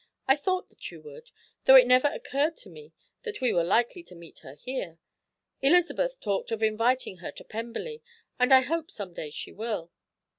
"I thought that you would, though it never occurred to me that we were likely to meet her here. Elizabeth talked of inviting her to Pemberley, and I hope some day she will.